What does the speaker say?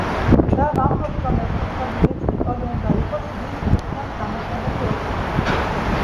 და ვამბობთ, რომ ეს უცნობი რიცხვი ტოლი უნდა იყოს რიცხვ ხუთიანს გამოკლებული ორი.